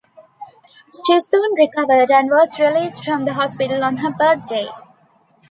She soon recovered and was released from the hospital on her birthday.